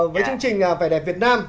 với chương trình vẻ đẹp việt nam